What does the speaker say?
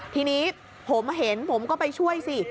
ทีนี้ผมเห็นผมก็ไปช่วยสิ